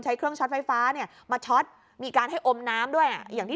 เครื่องช็อตไฟฟ้าเนี่ยมาช็อตมีการให้อมน้ำด้วยอ่ะอย่างที่